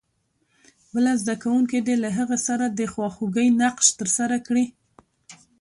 بل زده کوونکی دې له هغه سره د خواخوږۍ نقش ترسره کړي.